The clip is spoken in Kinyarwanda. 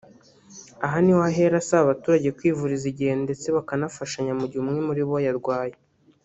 Aha niho ahera asaba abaturage kwivuriza igihe ndetse bakanafashanya mu gihe umwe muri bo yarwaye